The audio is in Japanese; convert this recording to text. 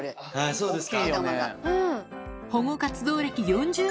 そうですね。